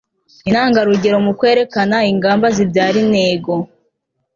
intangarugero mu kwerekana ingamba zibyara intego